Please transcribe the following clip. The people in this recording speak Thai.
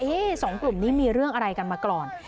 สองกลุ่มนี้มีเรื่องอะไรกันมาก่อน